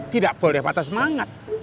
tidak boleh patah semangat